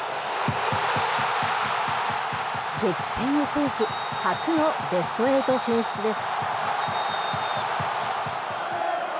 激戦を制し、初のベストエイト進出です。